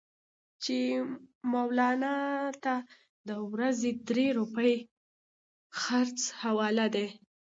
چې مولنا ته د ورځې درې روپۍ خرڅ حواله دي.